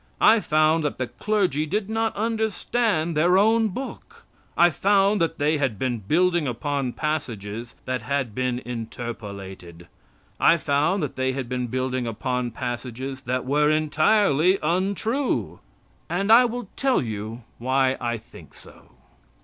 I found that the clergy did not understand their own book. I found that they had been building upon passages that had been interpolated. I found that they had been building upon passages that were entirely untrue. And I will tell you why I think so.